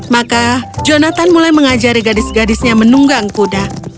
maka jonathan mulai mengajari gadis gadisnya menunggang kuda